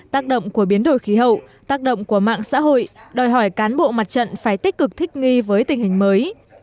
tác động của biến đổi khí hậu tác động của mạng xã hội đòi hỏi cán bộ mặt trận phải tích cực thích nghi với tình hình mới